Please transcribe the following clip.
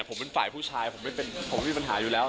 ผมเป็นฝ่ายผู้ชายผมไม่เป็นผมมีปัญหาอยู่แล้ว